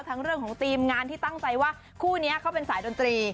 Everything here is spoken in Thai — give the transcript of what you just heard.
ทั้งเรื่องของทีมงานที่ตั้งใจว่าคู่นี้เขาเป็นสายดนตรี